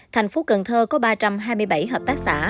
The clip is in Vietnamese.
thành phố cần thơ có ba trăm hai mươi bảy hợp tác xã